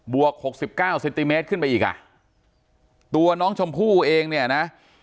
วกหกสิบเก้าเซนติเมตรขึ้นไปอีกอ่ะตัวน้องชมพู่เองเนี่ยนะ